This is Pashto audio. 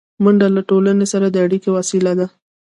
منډه له ټولنې سره د اړیکې وسیله ده